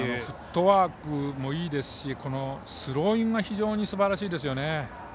フットワークもいいですしスローイングが非常にすばらしいですよね。